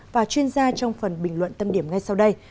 và chuyên gia trong phần bình luận tâm điểm ngay sau đây